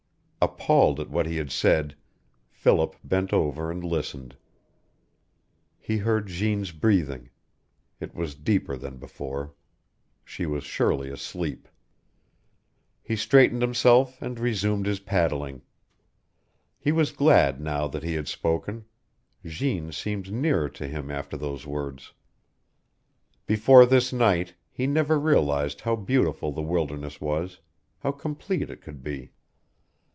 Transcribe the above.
Appalled at what he had said, Philip bent over and listened. He heard Jeanne's breathing. It was deeper than before. She was surely asleep! He straightened himself and resumed his paddling. He was glad now that he had spoken. Jeanne seemed nearer to him after those words. Before this night he never realized how beautiful the wilderness was, how complete it could be.